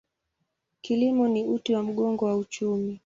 Kilimo ni uti wa mgongo wa uchumi.